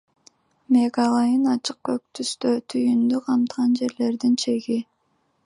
Мегалайн –ачык көк түстө, түйүндү камтыган жерлердин чеги.